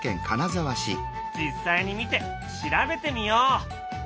実際に見て調べてみよう！